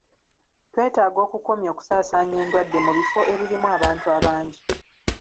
Twetaaga okukomya okusaasaanya endwadde mu bifo ebirimu abantu abangi.